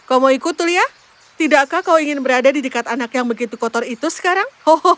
kau mau ikut tulia tidakkah kau ingin berada di dekat anak yang begitu kotor itu sekarang